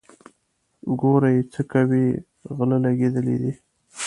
ګورئ څو کوئ غله لګېدلي دي.